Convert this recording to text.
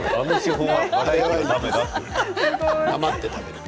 黙って食べる。